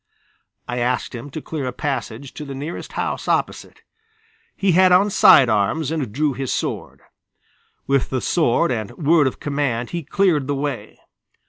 I asked him to clear a passage to the nearest house opposite. He had on side arms and drew his sword. With the sword and word of command he cleared the way.